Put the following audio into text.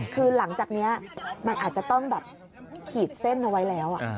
คือหลังจากนี้มันอาจจะต้องแบบขีดเส้นเอาไว้แล้ว